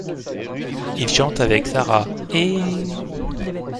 Il chante avec Sarah ' et '.